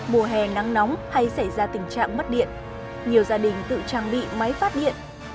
mùa hè nắng nóng hay xảy ra tình trạng mất điện nhiều gia đình tự trang bị máy phát điện